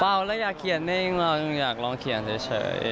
เราแล้วอยากเขียนเองเราอยากลองเขียนเฉย